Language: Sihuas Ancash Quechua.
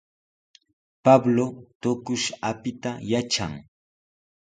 Pablo tuqush apita yatran.